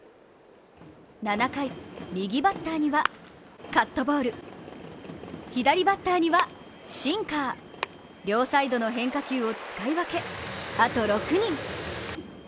７回、右バッターにはカットボール左バッターにはシンカー、両サイドの変化球を使い分け、あと６人。